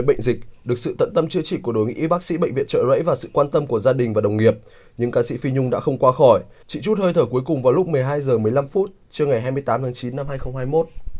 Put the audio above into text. bây giờ một mươi năm phút trưa ngày hai mươi tám tháng chín năm hai nghìn hai mươi một